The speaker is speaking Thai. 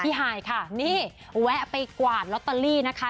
หายค่ะนี่แวะไปกวาดลอตเตอรี่นะคะ